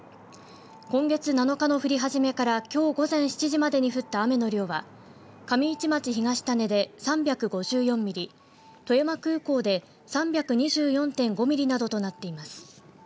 今月７日の降り始めからきょう午前７時までに降った雨の量は上市町東種で３５４ミリ富山空港で３２４．５ミリなどとなっています。